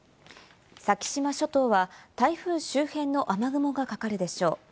先島諸島は台風周辺の雨雲がかかるでしょう。